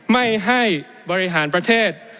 ไม่ให้บริหารประเทศ